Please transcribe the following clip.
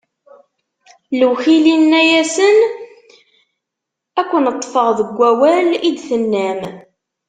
Lewkil inna-asen: Ad ken-ṭṭfeɣ deg wawal i d-tennam!